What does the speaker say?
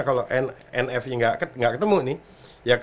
kalau nfnya gak ketemu nih